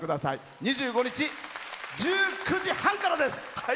２５日１９時半からです。